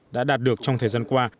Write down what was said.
đã đạt được trong thời gian qua